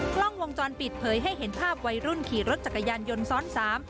กล้องวงจรปิดเผยให้เห็นภาพวัยรุ่นขี่รถจักรยานยนต์ซ้อนสาม